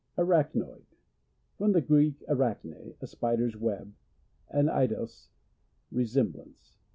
Arachnoid. — From the Greek, araAne, a spider's web, and cidos, resem blance.